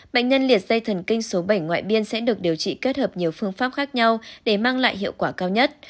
bệnh nhân liệt dây thần kinh số bảy ngoại biên sẽ được điều trị kết hợp nhiều phương pháp khác nhau để mang lại hiệu quả cao nhất